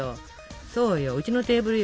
そうようちのテーブルよ